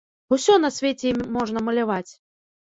Усё на свеце імі можна маляваць!